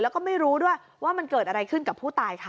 แล้วก็ไม่รู้ด้วยว่ามันเกิดอะไรขึ้นกับผู้ตายค่ะ